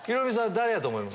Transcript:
誰やと思います？